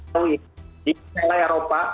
lalu ini di selai eropa